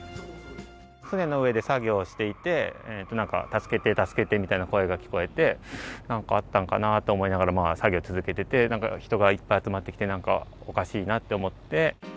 船の上で作業をしていて、なんか、助けて、助けてみたいな声が聞こえて、なんかあったのかなと思いながら、作業続けてて、なんか人がいっぱい集まってきて、なんかおかしいなと思って。